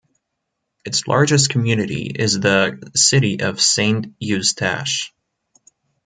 Its largest community is the city of Saint-Eustache.